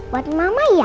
buat mama ya